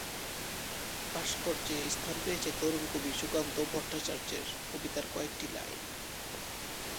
ভাস্কর্যে স্থান পেয়েছে তরুণ কবি সুকান্ত ভট্টাচার্যের কবিতার কয়েকটি লাইন।